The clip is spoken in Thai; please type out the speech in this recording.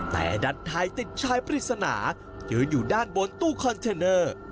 แต่ดันถ่ายติดชายปริศนายืนอยู่ด้านบนตู้คอนเทนเนอร์